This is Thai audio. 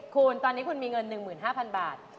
คุณตอนนี้คุณมีเงิน๑๕๐๐๐บาท